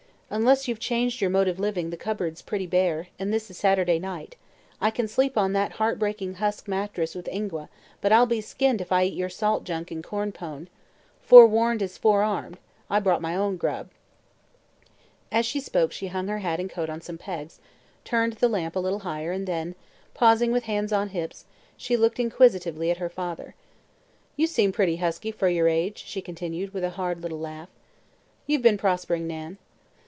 Unless you've changed your mode of living the cupboard's pretty bare, and this is Saturday night. I can sleep on that heartbreaking husk mattress with Ingua, but I'll be skinned if I eat your salt junk and corn pone. Forewarned is forearmed; I brought my own grub." As she spoke she hung her hat and coat on some pegs, turned the lamp a little higher and then, pausing with hands on hips, she looked inquisitively at her father. "You seem pretty husky, for your age," she continued, with a hard little laugh. "You've been prospering, Nan."